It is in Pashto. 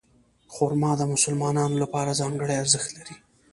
خرما د مسلمانانو لپاره ځانګړی ارزښت لري.